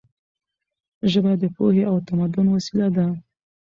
ژبه د پوهې او تمدن وسیله ده.